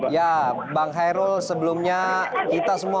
ya bang hairul sebelumnya kita semua